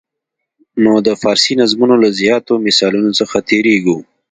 نو د فارسي نظمونو له زیاتو مثالونو څخه تېریږو.